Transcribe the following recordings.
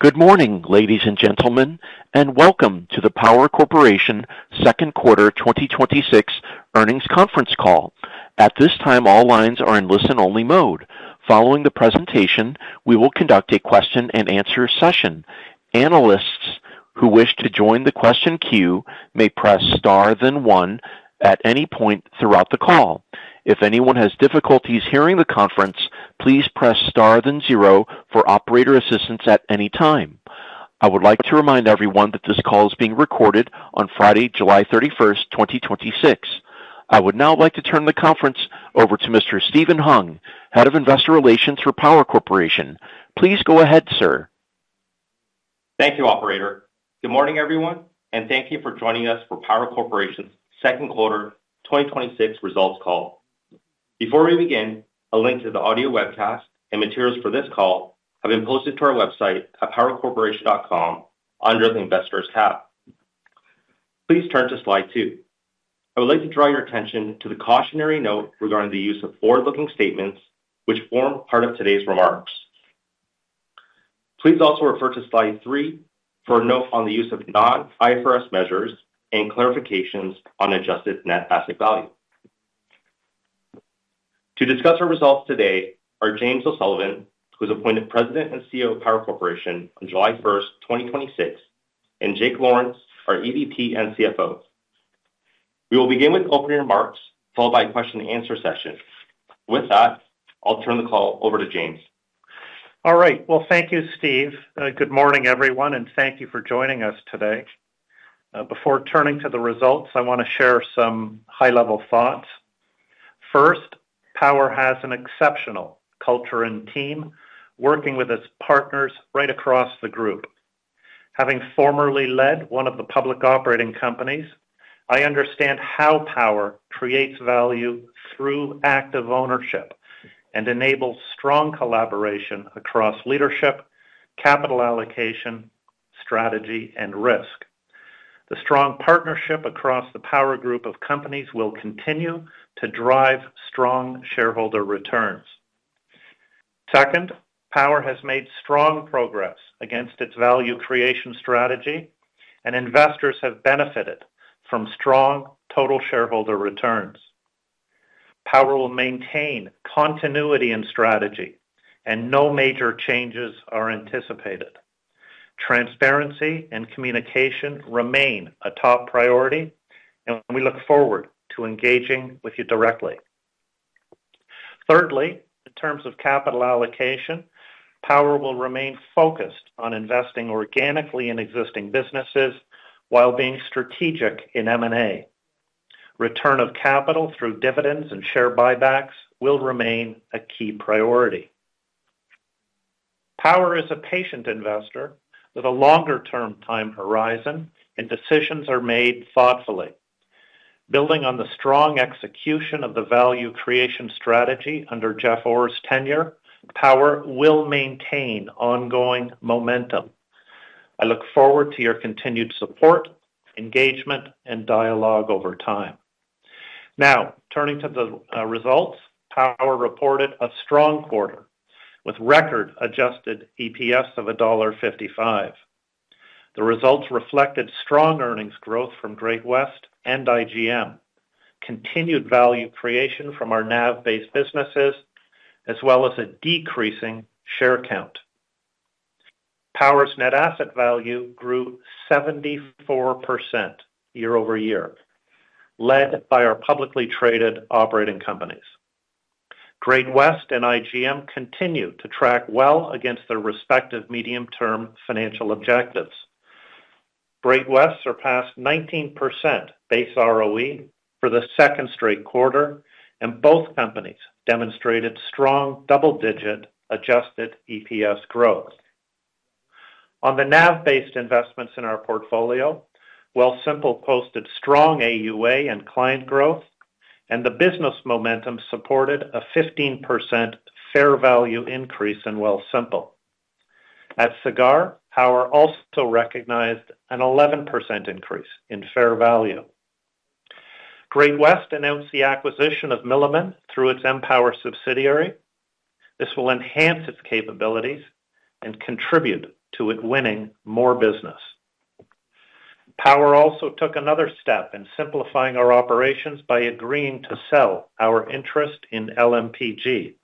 Good morning, ladies and gentlemen, welcome to the Power Corporation Second Quarter 2026 Earnings Conference Call. At this time, all lines are in listen-only mode. Following the presentation, we will conduct a question and answer session. Analysts who wish to join the question queue may press star then one at any point throughout the call. If anyone has difficulties hearing the conference, please press star then zero for operator assistance at any time. I would like to remind everyone that this call is being recorded on Friday, July 31st, 2026. I would now like to turn the conference over to Mr. Steven Hung, Head of Investor Relations for Power Corporation. Please go ahead, sir. Thank you, operator. Good morning, everyone, thank you for joining us for Power Corporation's Second Quarter 2026 Results Call. Before we begin, a link to the audio webcast and materials for this call have been posted to our website at powercorporation.com under the Investors tab. Please turn to slide two. I would like to draw your attention to the cautionary note regarding the use of forward-looking statements, which form part of today's remarks. Please also refer to slide three for a note on the use of non-IFRS measures and clarifications on adjusted net asset value. To discuss our results today are James O'Sullivan, who was appointed President and CEO of Power Corporation on July 1st, 2026, and Jake Lawrence, our EVP and CFO. We will begin with opening remarks followed by a question and answer session. With that, I'll turn the call over to James. All right. Thank you, Steve. Good morning, everyone, thank you for joining us today. Before turning to the results, I want to share some high-level thoughts. First, Power has an exceptional culture and team working with its partners right across the group. Having formerly led one of the public operating companies, I understand how Power creates value through active ownership and enables strong collaboration across leadership, capital allocation, strategy, and risk. The strong partnership across the Power group of companies will continue to drive strong shareholder returns. Second, Power has made strong progress against its value creation strategy, Investors have benefited from strong total shareholder returns. Power will maintain continuity in strategy, no major changes are anticipated. Transparency and communication remain a top priority, we look forward to engaging with you directly. Thirdly, in terms of capital allocation, Power will remain focused on investing organically in existing businesses while being strategic in M&A. Return of capital through dividends and share buybacks will remain a key priority. Power is a patient investor with a longer-term time horizon, Decisions are made thoughtfully. Building on the strong execution of the value creation strategy under Jeff Orr's tenure, Power will maintain ongoing momentum. I look forward to your continued support, engagement, and dialogue over time. Now, turning to the results. Power reported a strong quarter with record adjusted EPS of dollar 1.55. The results reflected strong earnings growth from Great-West and IGM, continued value creation from our NAV-based businesses, as well as a decreasing share count. Power's net asset value grew 74% year-over-year, led by our publicly traded operating companies. Great-West and IGM continue to track well against their respective medium-term financial objectives. Great-West surpassed 19% base ROE for the second straight quarter, and both companies demonstrated strong double-digit adjusted EPS growth. On the NAV-based investments in our portfolio, Wealthsimple posted strong AUA and client growth, and the business momentum supported a 15% fair value increase in Wealthsimple. At Sagard, Power also recognized an 11% increase in fair value. Great-West announced the acquisition of Milliman through its Empower subsidiary. This will enhance its capabilities and contribute to it winning more business. Power also took another step in simplifying our operations by agreeing to sell our interest in LMPG.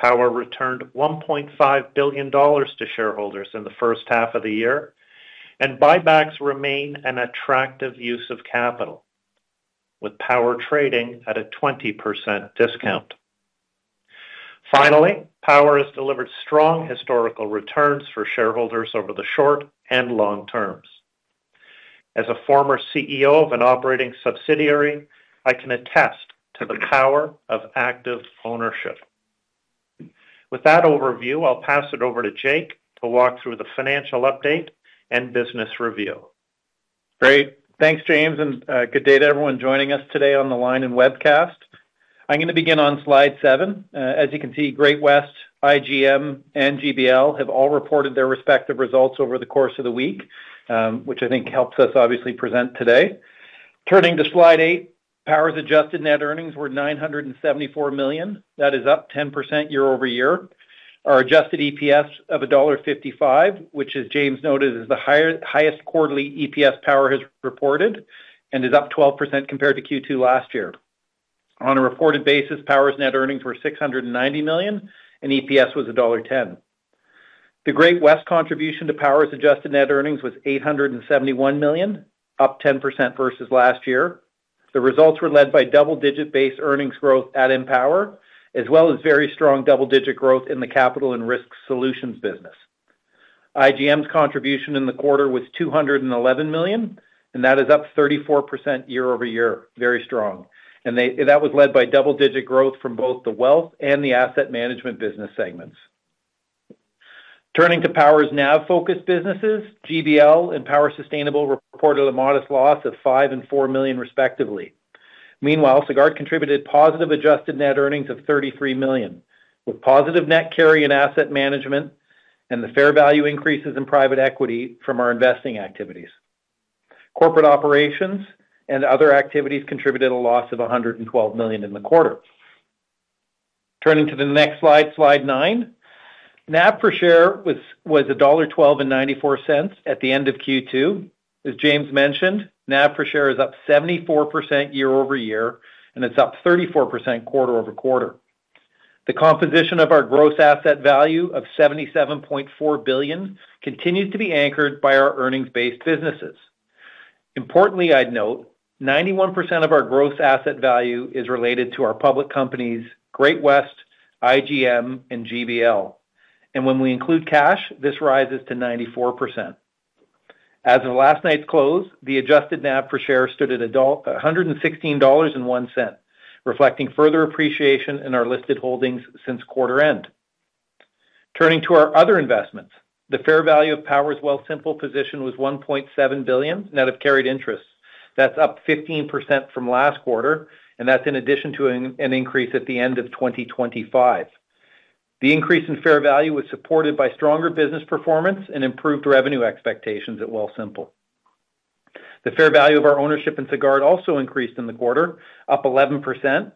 Power returned 1.5 billion dollars to shareholders in the first half of the year, and buybacks remain an attractive use of capital, with Power trading at a 20% discount. Finally, Power has delivered strong historical returns for shareholders over the short and long terms. As a former CEO of an operating subsidiary, I can attest to the power of active ownership. With that overview, I'll pass it over to Jake to walk through the financial update and business review. Great. Thanks, James, and good day to everyone joining us today on the line and webcast. I'm going to begin on slide seven. As you can see, Great-West, IGM, and GBL have all reported their respective results over the course of the week, which I think helps us obviously present today. Turning to slide eight, Power's adjusted net earnings were 974 million. That is up 10% year-over-year. Our adjusted EPS of dollar 1.55, which as James noted, is the highest quarterly EPS Power has reported and is up 12% compared to Q2 last year. On a reported basis, Power's net earnings were 690 million and EPS was dollar 1.10. The Great-West contribution to Power's adjusted net earnings was 871 million, up 10% versus last year. The results were led by double-digit base earnings growth at Empower, as well as very strong double-digit growth in the capital and risk solutions business. IGM's contribution in the quarter was 211 million, and that is up 34% year-over-year. Very strong. That was led by double-digit growth from both the wealth and the asset management business segments. Turning to Power's NAV-focused businesses, GBL and Power Sustainable reported a modest loss of 5 million and 4 million respectively. Meanwhile, Sagard contributed positive adjusted net earnings of 33 million, with positive net carry in asset management and the fair value increases in private equity from our investing activities. Corporate operations and other activities contributed a loss of 112 million in the quarter. Turning to the next slide nine. NAV per share was dollar 112.94 at the end of Q2. As James mentioned, NAV per share is up 74% year-over-year, and it's up 34% quarter-over-quarter. The composition of our gross asset value of CAD 77.4 billion continues to be anchored by our earnings-based businesses. Importantly, I'd note, 91% of our gross asset value is related to our public companies, Great-West, IGM and GBL. When we include cash, this rises to 94%. As of last night's close, the adjusted NAV per share stood at 116.01 dollars, reflecting further appreciation in our listed holdings since quarter end. Turning to our other investments. The fair value of Power's Wealthsimple position was 1.7 billion, net of carried interest. That's up 15% from last quarter, and that's in addition to an increase at the end of 2025. The increase in fair value was supported by stronger business performance and improved revenue expectations at Wealthsimple. The fair value of our ownership in Sagard also increased in the quarter, up 11%,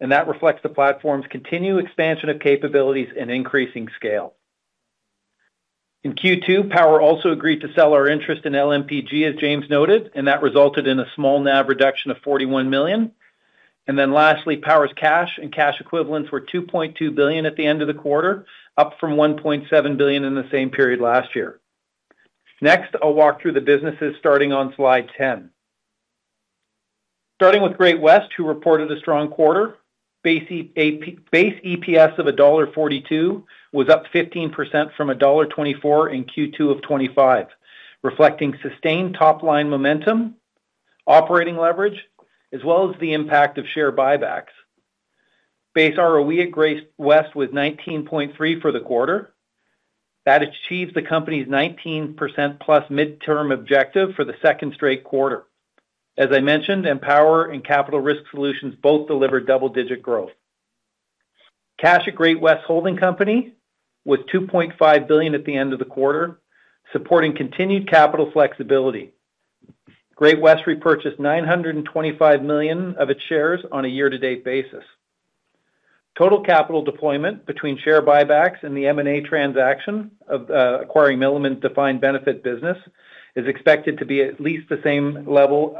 and that reflects the platform's continued expansion of capabilities and increasing scale. In Q2, Power also agreed to sell our interest in LMPG, as James noted, and that resulted in a small NAV reduction of 41 million. Lastly, Power's cash and cash equivalents were 2.2 billion at the end of the quarter, up from 1.7 billion in the same period last year. Next, I'll walk through the businesses starting on slide 10. Starting with Great-West, who reported a strong quarter. Base EPS of dollar 1.42 was up 15% from dollar 1.24 in Q2 of 2025, reflecting sustained top-line momentum, operating leverage, as well as the impact of share buybacks. Base ROE at Great-West was 19.3% for the quarter. That achieves the company's 19%+ midterm objective for the second straight quarter. As I mentioned, Empower and Capital Risk Solutions both delivered double-digit growth. Cash at Great-West Holding Company was 2.5 billion at the end of the quarter, supporting continued capital flexibility. Great-West repurchased 925 million of its shares on a year-to-date basis. Total capital deployment between share buybacks and the M&A transaction of acquiring Milliman's defined benefit business is expected to be at least the same level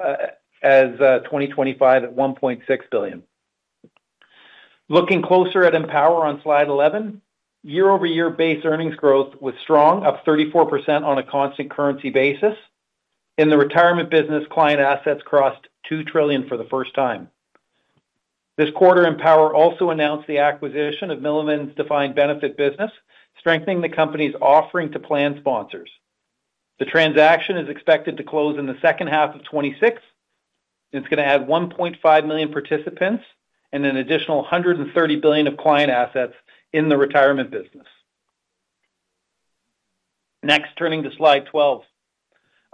as 2025 at 1.6 billion. Looking closer at Empower on slide 11. Year-over-year base earnings growth was strong, up 34% on a constant currency basis. In the retirement business, client assets crossed 2 trillion for the first time. This quarter, Empower also announced the acquisition of Milliman's defined benefit business, strengthening the company's offering to plan sponsors. The transaction is expected to close in the second half of 2026. It's going to add 1.5 million participants and an additional 130 billion of client assets in the retirement business. Next, turning to slide 12.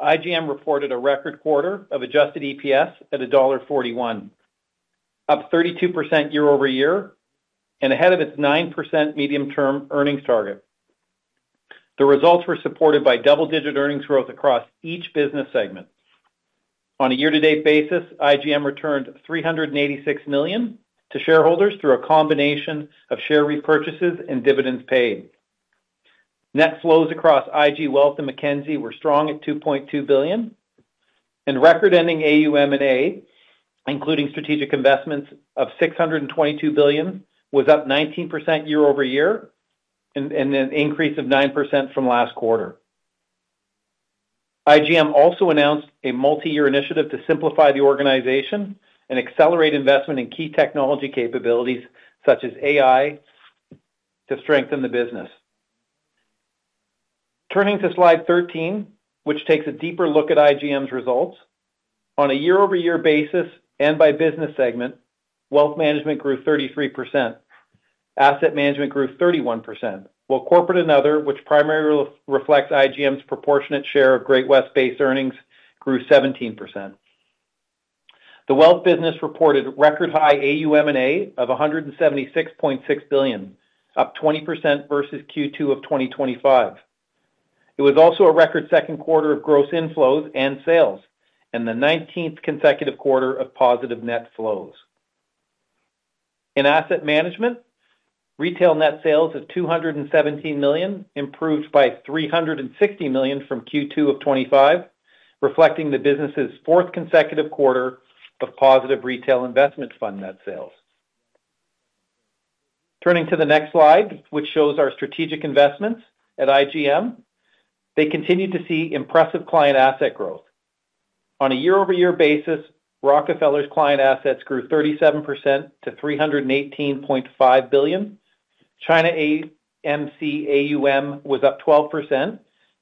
IGM reported a record quarter of adjusted EPS at dollar 1.41, up 32% year-over-year, and ahead of its 9% medium-term earnings target. The results were supported by double-digit earnings growth across each business segment. On a year-to-date basis, IGM returned 386 million to shareholders through a combination of share repurchases and dividends paid. Net flows across IG Wealth and Mackenzie were strong at 2.2 billion, and record-ending AUM & A, including strategic investments of 622 billion, was up 19% year-over-year and an increase of 9% from last quarter. IGM also announced a multi-year initiative to simplify the organization and accelerate investment in key technology capabilities such as AI to strengthen the business. Turning to slide 13, which takes a deeper look at IGM's results. On a year-over-year basis and by business segment, wealth management grew 33%, asset management grew 31%, while corporate and other, which primarily reflects IGM's proportionate share of Great-West base earnings, grew 17%. The wealth business reported record high AUM & A of 176.6 billion, up 20% versus Q2 2025. It was also a record second quarter of gross inflows and sales, and the 19th consecutive quarter of positive net flows. In asset management, retail net sales of 217 million improved by 360 million from Q2 2025, reflecting the business's fourth consecutive quarter of positive retail investment fund net sales. Turning to the next slide, which shows our strategic investments at IGM. They continue to see impressive client asset growth. On a year-over-year basis, Rockefeller's client assets grew 37% to 318.5 billion. China AMC AUM was up 12%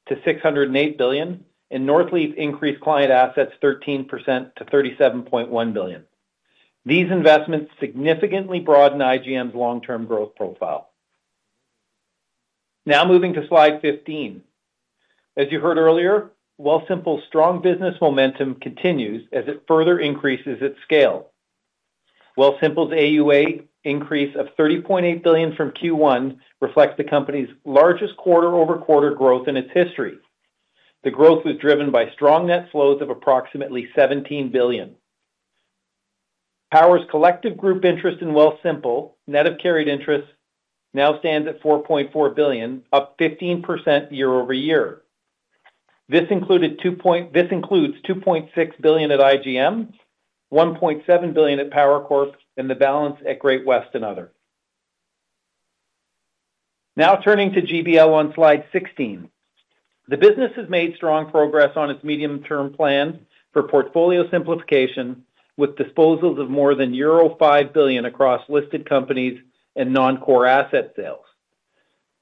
to 608 billion, and Northleaf increased client assets 13% to 37.1 billion. These investments significantly broaden IGM's long-term growth profile. Moving to slide 15. As you heard earlier, Wealthsimple's strong business momentum continues as it further increases its scale. Wealthsimple's AUA increase of 30.8 billion from Q1 reflects the company's largest quarter-over-quarter growth in its history. The growth was driven by strong net flows of approximately 17 billion. Power's collective group interest in Wealthsimple, net of carried interest, now stands at 4.4 billion, up 15% year-over-year. This includes 2.6 billion at IGM, 1.7 billion at Power Corp, and the balance at Great-West and other. Turning to GBL on slide 16. The business has made strong progress on its medium-term plan for portfolio simplification, with disposals of more than euro 5 billion across listed companies and non-core asset sales.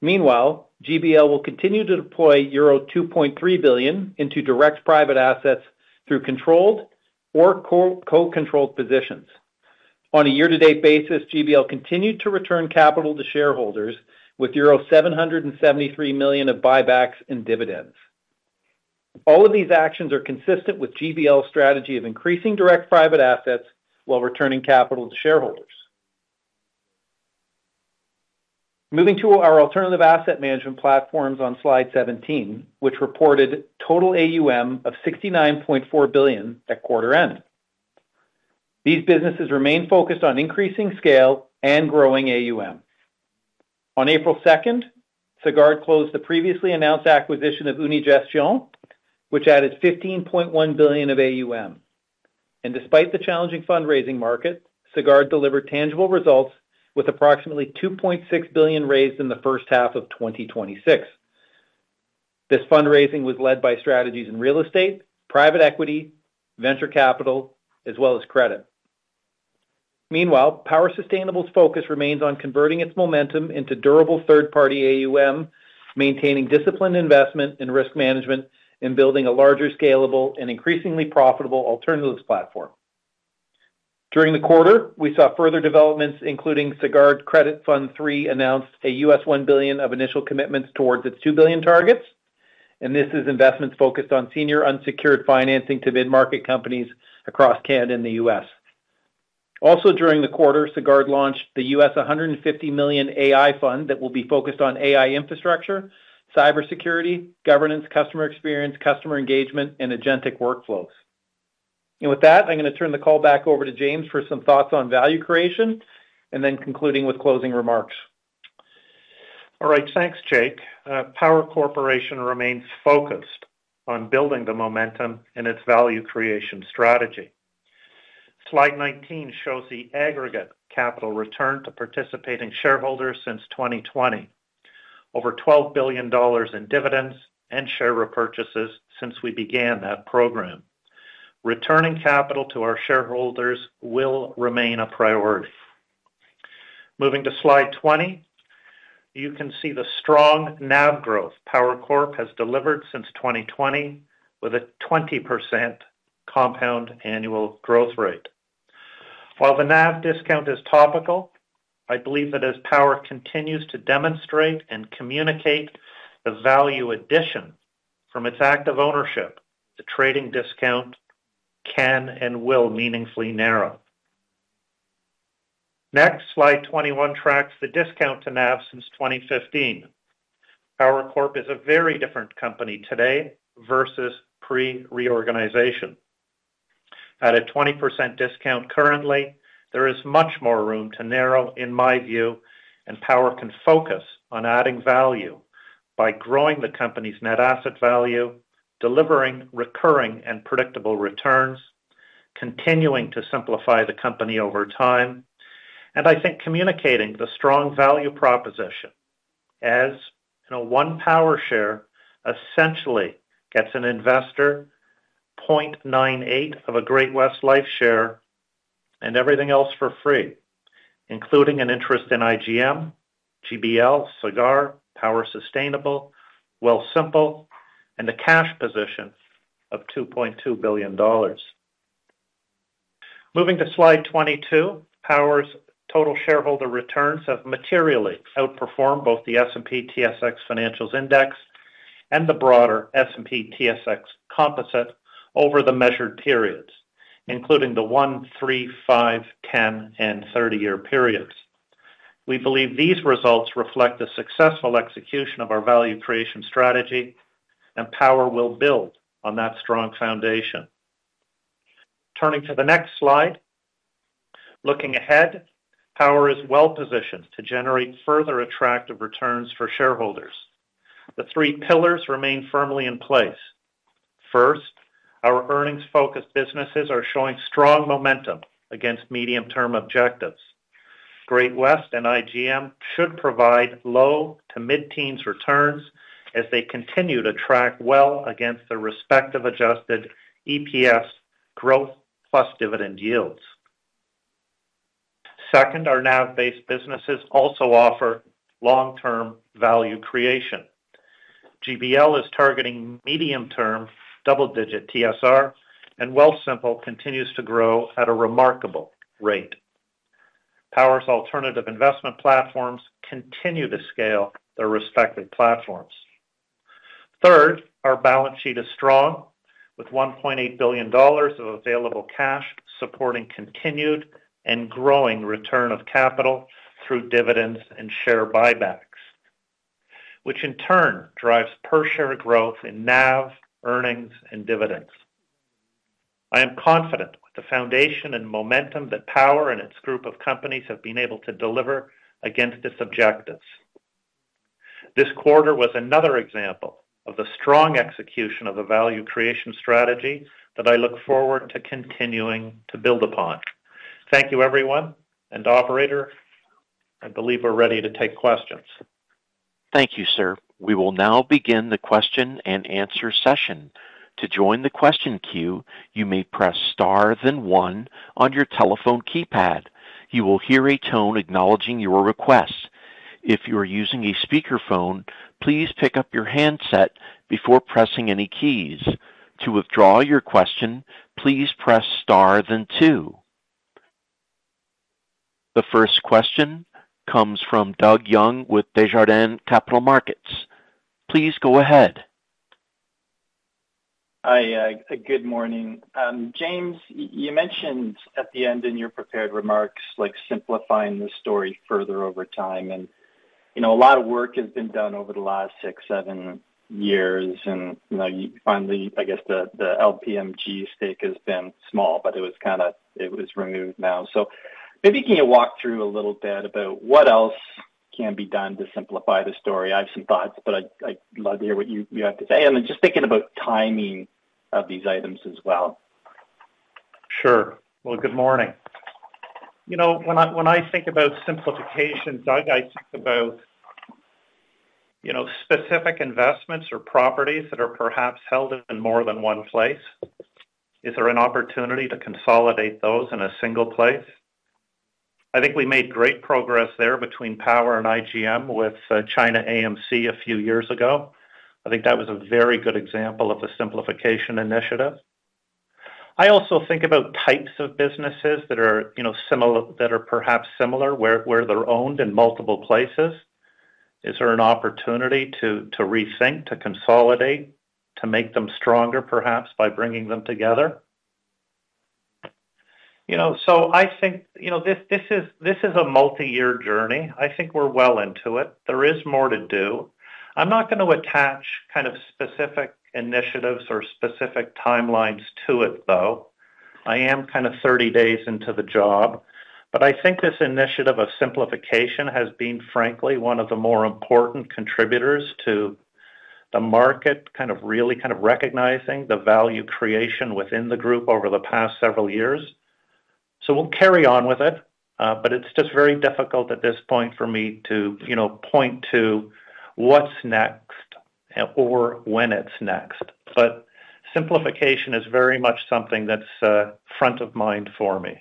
Meanwhile, GBL will continue to deploy euro 2.3 billion into direct private assets through controlled or co-controlled positions. On a year-to-date basis, GBL continued to return capital to shareholders with euro 773 million of buybacks and dividends. All of these actions are consistent with GBL's strategy of increasing direct private assets while returning capital to shareholders. Moving to our alternative asset management platforms on slide 17, which reported total AUM of 69.4 billion at quarter end. These businesses remain focused on increasing scale and growing AUM. On April 2nd, Sagard closed the previously announced acquisition of Unigestion, which added 15.1 billion of AUM. Despite the challenging fundraising market, Sagard delivered tangible results with approximately 2.6 billion raised in the first half of 2026. This fundraising was led by strategies in real estate, private equity, venture capital, as well as credit. Meanwhile, Power Sustainable's focus remains on converting its momentum into durable third-party AUM, maintaining disciplined investment in risk management, and building a larger, scalable, and increasingly profitable alternatives platform. During the quarter, we saw further developments, including Sagard Credit Partners III announced a $1 billion of initial commitments towards its 2 billion targets. This is investments focused on senior unsecured financing to mid-market companies across Canada and the U.S. During the quarter, Sagard launched the $150 million AI fund that will be focused on AI infrastructure, cybersecurity, governance, customer experience, customer engagement, and agentic workflows. With that, I'm going to turn the call back over to James for some thoughts on value creation and then concluding with closing remarks. All right. Thanks, Jake. Power Corporation remains focused on building the momentum in its value creation strategy. Slide 19 shows the aggregate capital return to participating shareholders since 2020. Over 12 billion dollars in dividends and share repurchases since we began that program. Returning capital to our shareholders will remain a priority. Moving to slide 20. You can see the strong NAV growth Power Corp has delivered since 2020 with a 20% compound annual growth rate. While the NAV discount is topical, I believe that as Power continues to demonstrate and communicate the value addition from its active ownership, the trading discount can and will meaningfully narrow. Next, slide 21 tracks the discount to NAV since 2015. Power Corp is a very different company today versus pre-reorganization. At a 20% discount currently, there is much more room to narrow, in my view. Power can focus on adding value by growing the company's net asset value, delivering recurring and predictable returns, continuing to simplify the company over time, and I think communicating the strong value proposition as one Power share essentially gets an investor 0.98 of a Great-West Life share and everything else for free, including an interest in IGM, GBL, Sagard, Power Sustainable, Wealthsimple, and a cash position of 2.2 billion dollars. Moving to slide 22. Power's total shareholder returns have materially outperformed both the S&P/TSX Financials Index and the broader S&P/TSX Composite Index over the measured periods, including the one, three, five, 10, and 30-year periods. We believe these results reflect the successful execution of our value creation strategy. Power will build on that strong foundation. Turning to the next slide. Looking ahead, Power is well-positioned to generate further attractive returns for shareholders. The three pillars remain firmly in place. First, our earnings-focused businesses are showing strong momentum against medium-term objectives. Great-West and IGM should provide low- to mid-teens returns as they continue to track well against their respective adjusted EPS growth plus dividend yields. Second, our NAV-based businesses also offer long-term value creation. GBL is targeting medium-term double-digit TSR, and Wealthsimple continues to grow at a remarkable rate. Power's alternative investment platforms continue to scale their respective platforms. Third, our balance sheet is strong, with 1.8 billion dollars of available cash supporting continued and growing return of capital through dividends and share buybacks, which in turn drives per-share growth in NAV, earnings, and dividends. I am confident with the foundation and momentum that Power and its group of companies have been able to deliver against its objectives. This quarter was another example of the strong execution of the value creation strategy that I look forward to continuing to build upon. Thank you, everyone, and operator, I believe we're ready to take questions. Thank you, sir. We will now begin the question and answer session. To join the question queue, you may press star then one on your telephone keypad. You will hear a tone acknowledging your request. If you are using a speakerphone, please pick up your handset before pressing any keys. To withdraw your question, please press star then two. The first question comes from Doug Young with Desjardins Capital Markets. Please go ahead. Hi. Good morning. James, you mentioned at the end in your prepared remarks, simplifying the story further over time. A lot of work has been done over the last six, seven years. Finally, I guess the LMPG stake has been small, but it was removed now. Maybe can you walk through a little bit about what else can be done to simplify the story? I have some thoughts, but I'd love to hear what you have to say. Then just thinking about timing of these items as well. Sure. Well, good morning. When I think about simplification, Doug, I think about specific investments or properties that are perhaps held in more than one place. Is there an opportunity to consolidate those in a single place? I think we made great progress there between Power and IGM with China AMC a few years ago. I think that was a very good example of the simplification initiative. I also think about types of businesses that are perhaps similar, where they're owned in multiple places. Is there an opportunity to rethink, to consolidate, to make them stronger, perhaps by bringing them together? I think this is a multi-year journey. I think we're well into it. There is more to do. I'm not going to attach kind of specific initiatives or specific timelines to it, though. I am kind of 30 days into the job. I think this initiative of simplification has been frankly one of the more important contributors to the market kind of really recognizing the value creation within the group over the past several years. We'll carry on with it, but it's just very difficult at this point for me to point to what's next or when it's next. Simplification is very much something that's front of mind for me.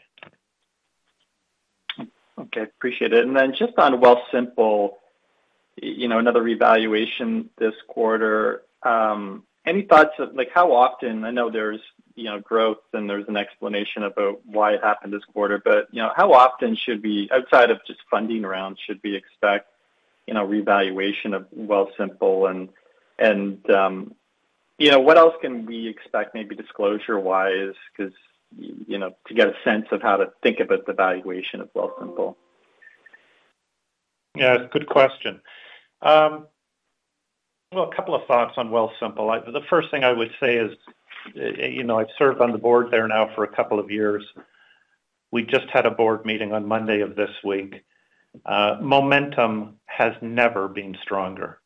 Okay. Appreciate it. Just on Wealthsimple, another revaluation this quarter. Any thoughts of how often, I know there's growth and there's an explanation about why it happened this quarter, how often should we, outside of just funding rounds, should we expect revaluation of Wealthsimple? What else can we expect, maybe disclosure-wise, to get a sense of how to think about the valuation of Wealthsimple? Yeah, good question. A couple of thoughts on Wealthsimple. The first thing I would say is I've served on the board there now for a couple of years. We just had a board meeting on Monday of this week. Momentum has never been stronger.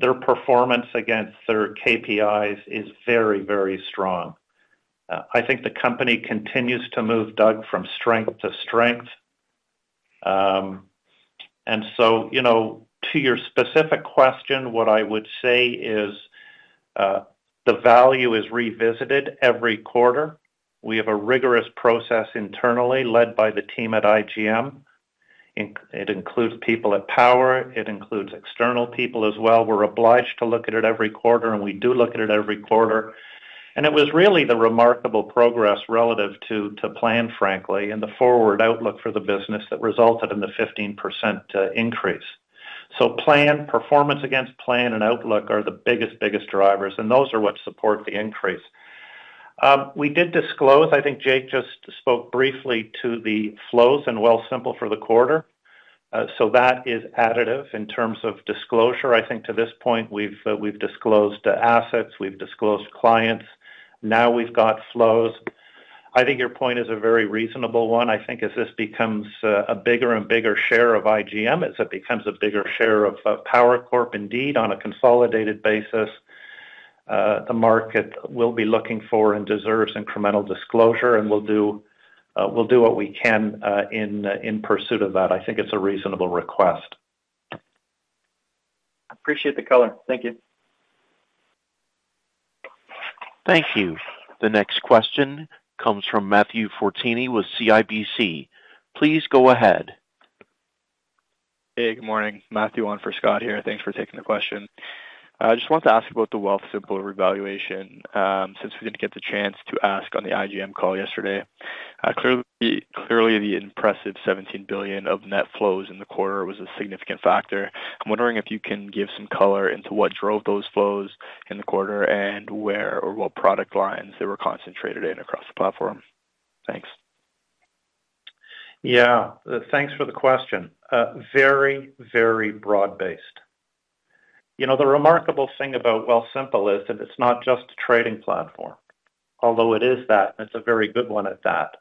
Their performance against their KPIs is very, very strong. I think the company continues to move, Doug, from strength to strength. To your specific question, what I would say is the value is revisited every quarter. We have a rigorous process internally led by the team at IGM. It includes people at Power. It includes external people as well. We're obliged to look at it every quarter, and we do look at it every quarter. It was really the remarkable progress relative to plan, frankly, and the forward outlook for the business that resulted in the 15% increase. Plan, performance against plan and outlook are the biggest drivers, and those are what support the increase. We did disclose, I think Jake just spoke briefly to the flows in Wealthsimple for the quarter. That is additive in terms of disclosure. I think to this point, we've disclosed assets, we've disclosed clients. Now we've got flows. I think your point is a very reasonable one. I think as this becomes a bigger and bigger share of IGM, as it becomes a bigger share of Power Corp, indeed, on a consolidated basis, the market will be looking for and deserves incremental disclosure, and we'll do what we can in pursuit of that. I think it's a reasonable request. Appreciate the color. Thank you. Thank you. The next question comes from Matthew Fortini with CIBC. Please go ahead. Hey, good morning. Matthew on for Scott here. Thanks for taking the question. I just wanted to ask about the Wealthsimple revaluation, since we didn't get the chance to ask on the IGM call yesterday. Clearly, the impressive 17 billion of net flows in the quarter was a significant factor. I'm wondering if you can give some color into what drove those flows in the quarter and where or what product lines they were concentrated in across the platform. Thanks. Yeah. Thanks for the question. Very broad-based. The remarkable thing about Wealthsimple is that it's not just a trading platform. Although it is that, and it's a very good one at that.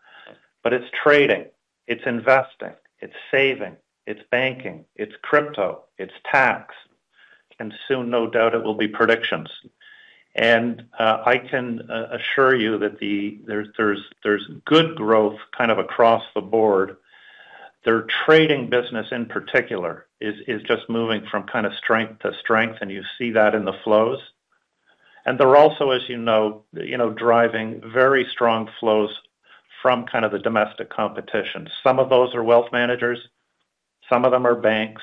It's trading, it's investing, it's saving, it's banking, it's crypto, it's tax. Soon, no doubt it will be predictions. I can assure you that there's good growth kind of across the board. Their trading business in particular is just moving from kind of strength to strength, and you see that in the flows. They're also, as you know, driving very strong flows from kind of the domestic competition. Some of those are wealth managers, some of them are banks,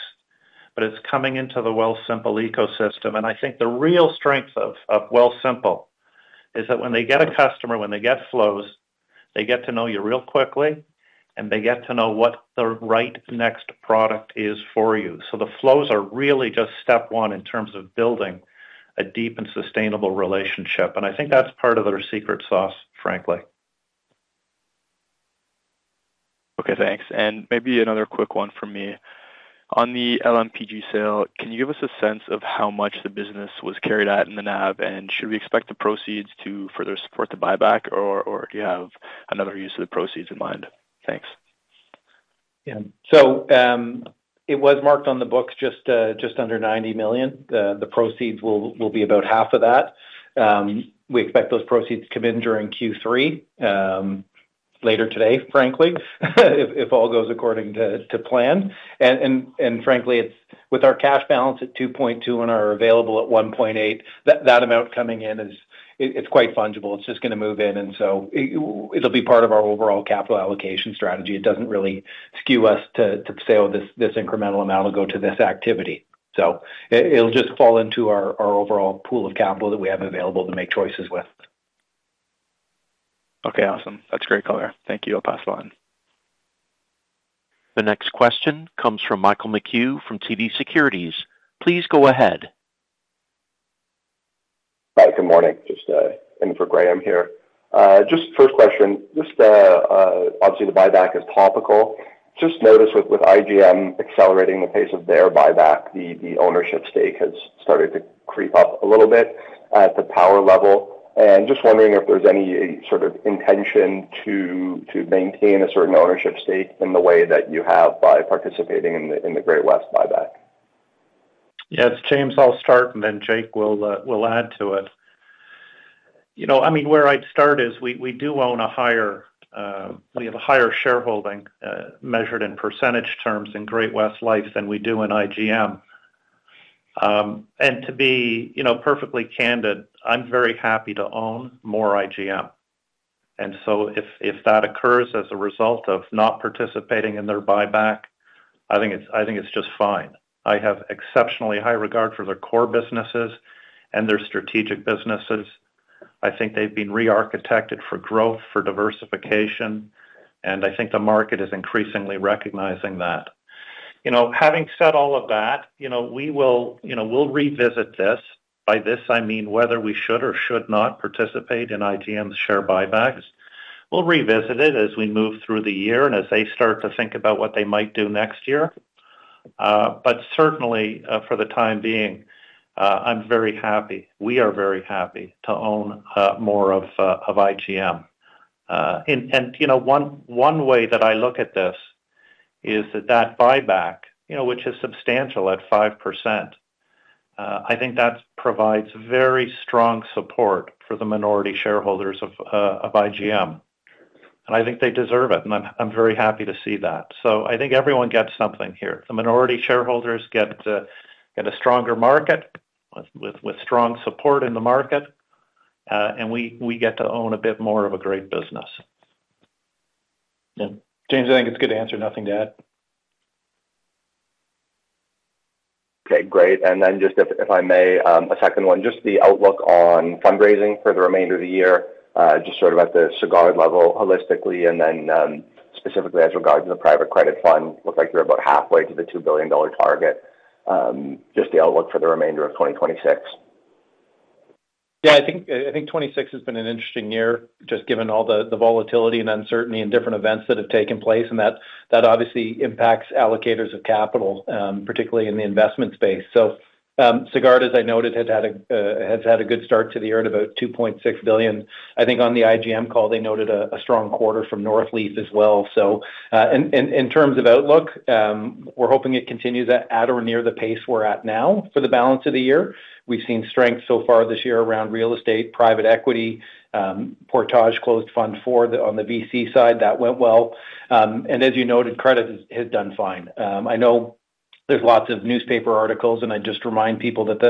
but it's coming into the Wealthsimple ecosystem. I think the real strength of Wealthsimple is that when they get a customer, when they get flows, they get to know you real quickly, and they get to know what the right next product is for you. The flows are really just step one in terms of building a deep and sustainable relationship. I think that's part of their secret sauce, frankly. Okay, thanks. Maybe another quick one from me. On the LMPG sale, can you give us a sense of how much the business was carried at in the NAV, and should we expect the proceeds to further support the buyback, or do you have another use of the proceeds in mind? Thanks. Yeah. It was marked on the books just under 90 million. The proceeds will be about half of that. We expect those proceeds to come in during Q3, later today, frankly, if all goes according to plan. Frankly, with our cash balance at 2.2 and our available at 1.8, that amount coming in is quite fungible. It's just going to move in, and so it'll be part of our overall capital allocation strategy. It doesn't really skew us to say, "Oh, this incremental amount will go to this activity." It'll just fall into our overall pool of capital that we have available to make choices with. Okay, awesome. That's great color. Thank you. I'll pass the line. The next question comes from Michael McCue from TD Securities. Please go ahead. Hi, good morning. Just in for Graham here. Just first question. Obviously the buyback is topical. Just noticed with IGM accelerating the pace of their buyback, the ownership stake has started to creep up a little bit at the Power level. Just wondering if there's any sort of intention to maintain a certain ownership stake in the way that you have by participating in the Great-West buyback. Yes, James, I'll start and then Jake will add to it. Where I'd start is we do own a higher shareholding, measured in percentage terms, in Great-West Life than we do in IGM. To be perfectly candid, I'm very happy to own more IGM. If that occurs as a result of not participating in their buyback, I think it's just fine. I have exceptionally high regard for their core businesses and their strategic businesses. I think they've been rearchitected for growth, for diversification, and I think the market is increasingly recognizing that. Having said all of that, we'll revisit this. By this, I mean whether we should or should not participate in IGM's share buybacks. We'll revisit it as we move through the year and as they start to think about what they might do next year. Certainly, for the time being, I'm very happy, we are very happy to own more of IGM. One way that I look at this is that that buyback, which is substantial at 5%, I think that provides very strong support for the minority shareholders of IGM. I think they deserve it, and I'm very happy to see that. I think everyone gets something here. The minority shareholders get a stronger market with strong support in the market, and we get to own a bit more of a great business. James, I think it's a good answer. Nothing to add. Okay, great. Then just if I may, a second one, just the outlook on fundraising for the remainder of the year, just sort of at the Sagard level holistically, then specifically as regards to the private credit fund. Look like you're about halfway to the 2 billion dollar target. Just the outlook for the remainder of 2026. Yeah, I think 2026 has been an interesting year just given all the volatility and uncertainty and different events that have taken place, that obviously impacts allocators of capital, particularly in the investment space. Sagard, as I noted, has had a good start to the year at about 2.6 billion. I think on the IGM call, they noted a strong quarter from Northleaf as well. In terms of outlook, we're hoping it continues at or near the pace we're at now for the balance of the year. We've seen strength so far this year around real estate, private equity. Portage closed fund four on the VC side, that went well. As you noted, credit has done fine. I know there's lots of newspaper articles, and I just remind people that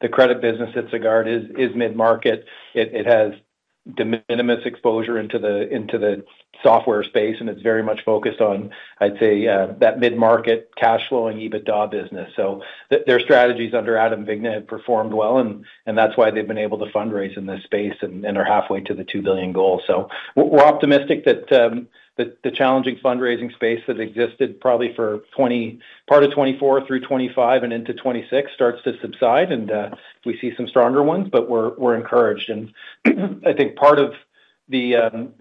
the credit business at Sagard is mid-market. It has de minimis exposure into the software space, and it's very much focused on, I'd say, that mid-market cash flow and EBITDA business. Their strategies under Adam Vigna have performed well, and that's why they've been able to fundraise in this space and are halfway to the 2 billion goal. We're optimistic that the challenging fundraising space that existed probably for part of 2024 through 2025 and into 2026 starts to subside and we see some stronger ones, but we're encouraged. I think part of the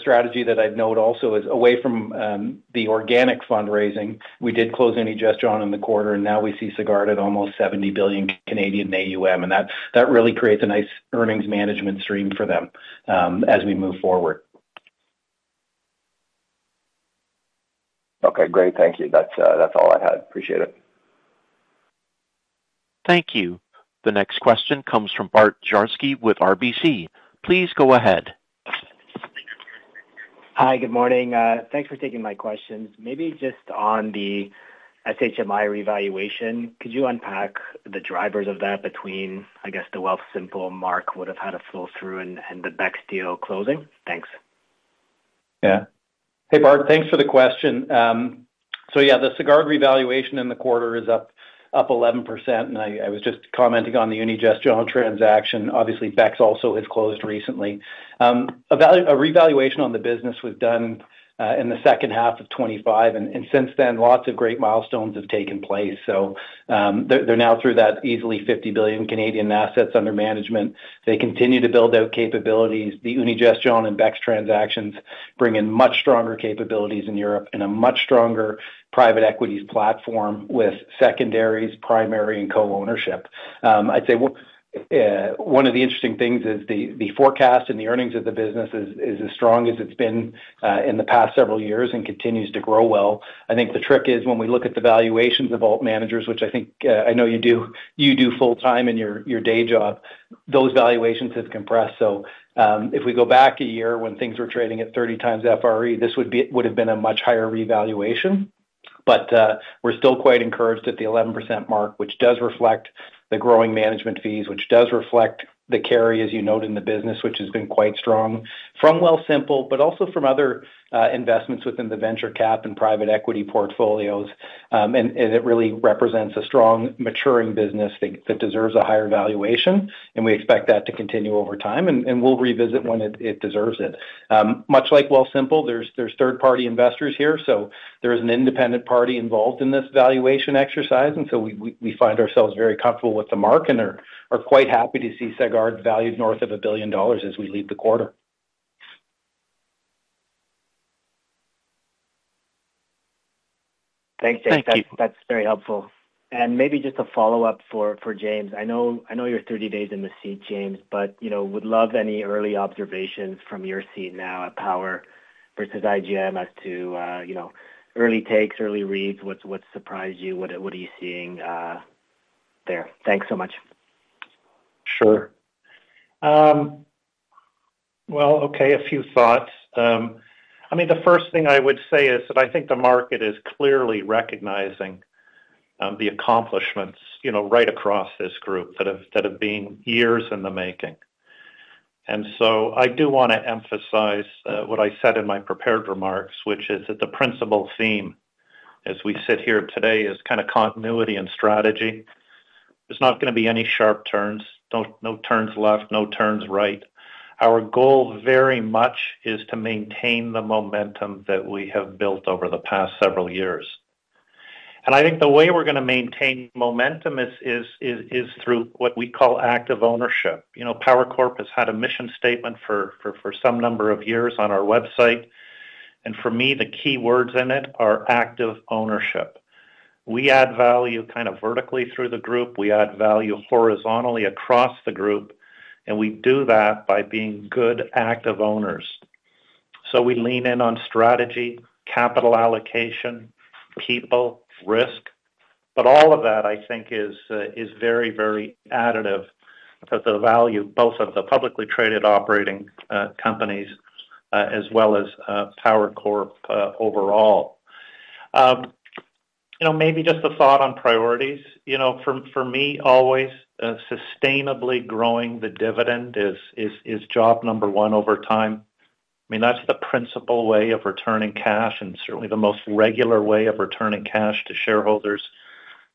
strategy that I'd note also is away from the organic fundraising. We did close Unigestion in the quarter, and now we see Sagard at almost 70 billion AUM, and that really creates a nice earnings management stream for them as we move forward. Okay, great. Thank you. That's all I had. Appreciate it. Thank you. The next question comes from Bart Dziarski with RBC. Please go ahead. Hi, good morning. Thanks for taking my questions. Maybe just on the Sagard revaluation, could you unpack the drivers of that between, I guess, the Wealthsimple mark would have had a flow-through and the BEX deal closing? Thanks. Hey, Bart. Thanks for the question. The Sagard revaluation in the quarter is up 11%, and I was just commenting on the Unigestion transaction. Obviously, BEX also has closed recently. A revaluation on the business was done in the second half of 2025. Since then, lots of great milestones have taken place. They're now through that easily 50 billion assets under management. They continue to build out capabilities. The Unigestion and BEX transactions bring in much stronger capabilities in Europe and a much stronger private equity platform with secondaries, primary, and co-ownership. I'd say one of the interesting things is the forecast and the earnings of the business is as strong as it's been in the past several years and continues to grow well. I think the trick is when we look at the valuations of alt managers, which I know you do full time in your day job, those valuations have compressed. If we go back a year when things were trading at 30x FRE, this would have been a much higher revaluation. We're still quite encouraged at the 11% mark, which does reflect the growing management fees, which does reflect the carry, as you note in the business, which has been quite strong from Wealthsimple, but also from other investments within the venture cap and private equity portfolios. It really represents a strong maturing business that deserves a higher valuation, and we expect that to continue over time, and we'll revisit when it deserves it. Much like Wealthsimple, there's third-party investors here. There is an independent party involved in this valuation exercise. We find ourselves very comfortable with the mark and are quite happy to see Sagard valued north of 1 billion dollars as we leave the quarter. Thanks, Jake. Thank you. That's very helpful. Maybe just a follow-up for James. I know you're 30 days in the seat, James, but would love any early observations from your seat now at Power versus IGM as to early takes, early reads. What surprised you? What are you seeing there? Thanks so much. Sure. Okay, a few thoughts. The first thing I would say is that I think the market is clearly recognizing the accomplishments right across this group that have been years in the making. I do want to emphasize what I said in my prepared remarks, which is that the principal theme as we sit here today is kind of continuity and strategy. There's not going to be any sharp turns. No turns left, no turns right. Our goal very much is to maintain the momentum that we have built over the past several years. I think the way we're going to maintain momentum is through what we call active ownership. Power Corp has had a mission statement for some number of years on our website, and for me, the key words in it are active ownership. We add value kind of vertically through the group. We add value horizontally across the group, and we do that by being good active owners. We lean in on strategy, capital allocation, people, risk. All of that, I think, is very additive to the value both of the publicly traded operating companies as well as Power Corp overall. Maybe just a thought on priorities. For me, always sustainably growing the dividend is job number one over time. That's the principal way of returning cash and certainly the most regular way of returning cash to shareholders.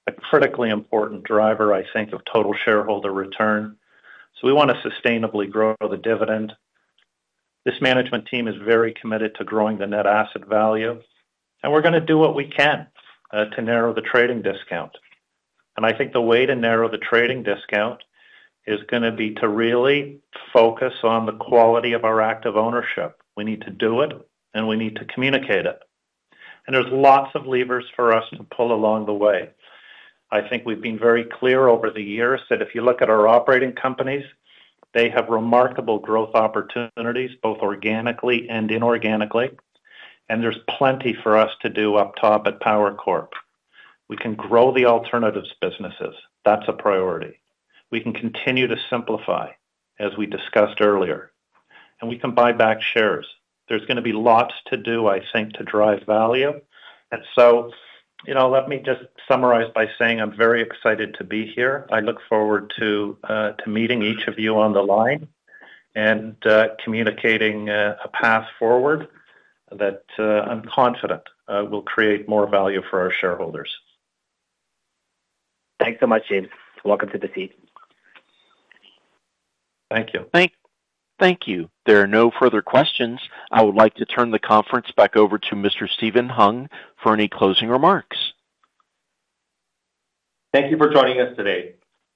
A critically important driver, I think, of total shareholder return. We want to sustainably grow the dividend. This management team is very committed to growing the net asset value, and we're going to do what we can to narrow the trading discount. I think the way to narrow the trading discount is going to be to really focus on the quality of our active ownership. We need to do it, and we need to communicate it. There's lots of levers for us to pull along the way. I think we've been very clear over the years that if you look at our operating companies, they have remarkable growth opportunities, both organically and inorganically. There's plenty for us to do up top at Power Corp. We can grow the alternatives businesses. That's a priority. We can continue to simplify, as we discussed earlier. We can buy back shares. There's going to be lots to do, I think, to drive value. Let me just summarize by saying I'm very excited to be here. I look forward to meeting each of you on the line and communicating a path forward that I'm confident will create more value for our shareholders. Thanks so much, James. Welcome to the seat. Thank you. Thank you. There are no further questions. I would like to turn the conference back over to Mr. Steven Hung for any closing remarks. Thank you for joining us today.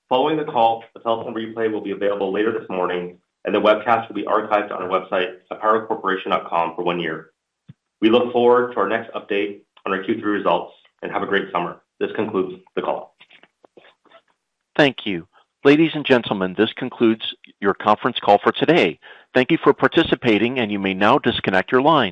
Following the call, a telephone replay will be available later this morning, and the webcast will be archived on our website, powercorporation.com, for one year. We look forward to our next update on our Q3 results, and have a great summer. This concludes the call. Thank you. Ladies and gentlemen, this concludes your conference call for today. Thank you for participating, and you may now disconnect your line.